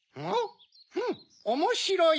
フッおもしろい！